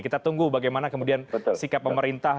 kita tunggu bagaimana kemudian sikap pemerintah